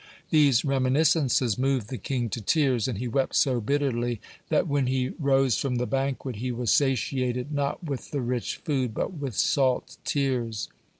These reminiscences moved the king to tears, and he wept so bitterly that, when he rose from the banquet, he was satiated, not with the rich food, but with salt tears.